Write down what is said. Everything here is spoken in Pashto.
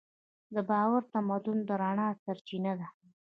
دا باور د تمدن د رڼا سرچینه ده.